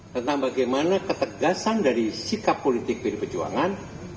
tentang bagaimana ketegasan dari sikap politik pdi perjuangan